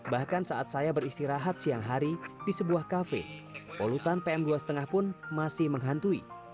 bahkan saat saya beristirahat siang hari di sebuah kafe polutan pm dua lima pun masih menghantui